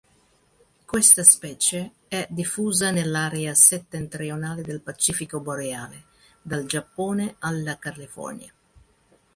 Questa specie è diffusa nell'area settentrionale del Pacifico boreale, dal Giappone alla California.